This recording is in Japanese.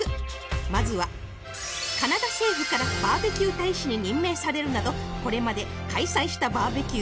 まずはカナダ政府からバーベキュー大使に任命されるなどこれまで開催したバーベキュー